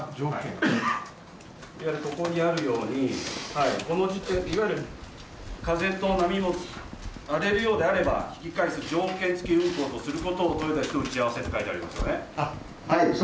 ここにあるように、風と波も荒れるようであれば引き返す条件付き運航とすることを豊田氏と打ち合わせと書いてありますよね。